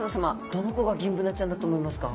どの子がギンブナちゃんだと思いますか？